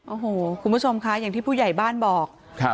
โอ้โหคุณผู้ชมคะอย่างที่ผู้ใหญ่บ้านบอก